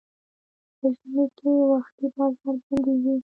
په ژمي کې وختي بازار بندېږي.